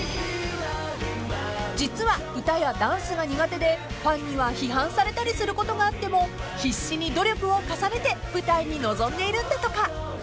［実は歌やダンスが苦手でファンには批判されたりすることがあっても必死に努力を重ねて舞台に臨んでいるんだとか］